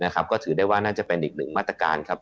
ก็ถือได้ว่าน่าจะเป็นอีกหนึ่งมาตรการครับ